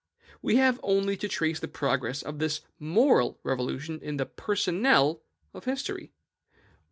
We have only to trace the progress of this MORAL revolution in the PERSONNEL of society.